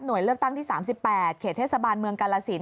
เลือกตั้งที่๓๘เขตเทศบาลเมืองกาลสิน